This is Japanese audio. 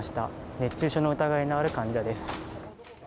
熱中症の疑いのある患者です。